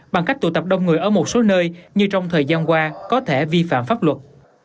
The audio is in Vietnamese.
bằng cách tụ tập đông người ở một số nơi như trong thời gian qua có thể vi phạm pháp luật